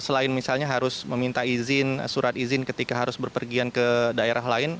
selain misalnya harus meminta izin surat izin ketika harus berpergian ke daerah lain